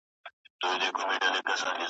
زیانمنه شوې